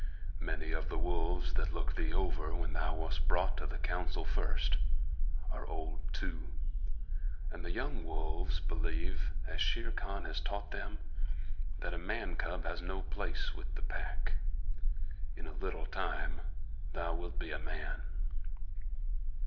Many of the wolves that looked thee over when thou wast brought to the Council first are old too, and the young wolves believe, as Shere Khan has taught them, that a man cub has no place with the Pack. In a little time thou wilt be a man."